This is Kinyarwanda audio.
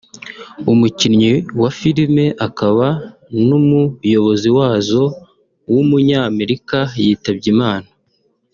umukinnyi wa filime akaba n’umuyobozi wazo w’umunyamerika yitabye Imana